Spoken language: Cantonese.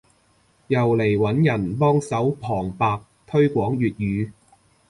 又嚟揾人幫手旁白推廣粵語